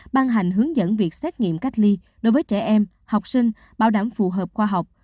ban hành hướng dẫn việc xét nghiệm cách ly đối với trẻ em học sinh bảo đảm phù hợp khoa học